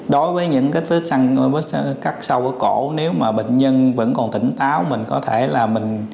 đối với những bếp cắt sâu ở cổ nếu mà bệnh nhân vẫn còn tỉnh táo mình có thể là mình